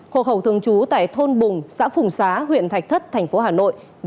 hộ khẩu thường trú tại thôn ba xã phú cát huyện quốc oai thành phố hà nội